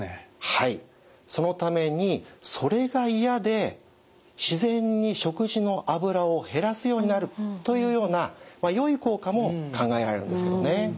はいそのためにそれが嫌で自然に食事の脂を減らすようになるというようなよい効果も考えられるんですけどね。